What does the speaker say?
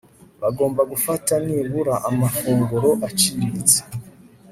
bagomba gufata nibura amafunguro aciriritse